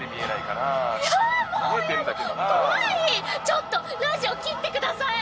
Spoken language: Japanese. ちょっとラジオ切ってください！